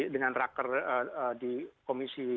dengan raker di komisi